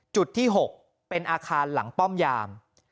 จุดที่๖เป็นอาคารหลังป้อมยาม